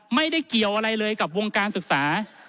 ไม่ได้เกี่ยวอะไรเลยกับวงการศึกษา